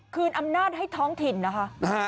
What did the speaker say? คืนอำนาจให้ท้องถิ่นนะคะ